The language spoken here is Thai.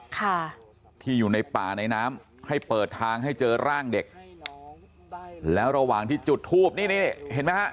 ค่ะที่อยู่ในป่าในน้ำให้เปิดทางให้เจอร่างเด็กแล้วระหว่างที่จุดทูบนี่นี่เห็นไหมฮะ